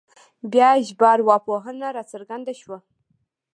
بیا ژبارواپوهنه راڅرګنده شوه